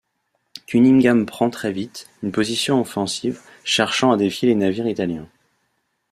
Cunningham prend, très vite, une position offensive, cherchant à défier les navires italiens.